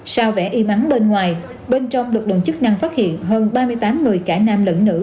sao vẻ y mắng bên ngoài bên trong được đồng chức năng phát hiện hơn ba mươi tám người cả nam lẫn nữ